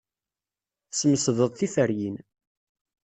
Tesmesdeḍ tiferyin.